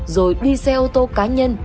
rồi đi xe ô tô cá nhân